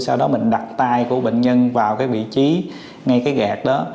sau đó mình đặt tay của bệnh nhân vào cái vị trí ngay cái ghẹt đó